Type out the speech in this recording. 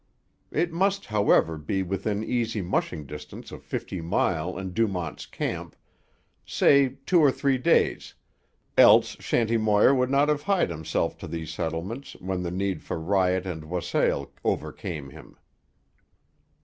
It must, however, be within easy mushing distance of Fifty Mile and Dumont's Camp, say two or three days, else Shanty Moir would not have hied himself to these settlements when the need for riot and wassail overcame him.